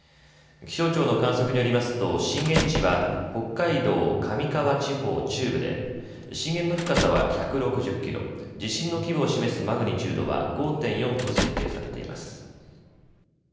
気象庁の観測によりますと震源地は北海道上川地方中部で震源の深さは１６０キロ、地震の規模を示すマグニチュードは５．４と推定されています。